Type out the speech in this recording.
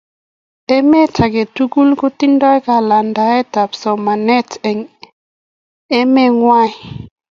emet aketukul kotinye kalendait ab somanee en emee ngwany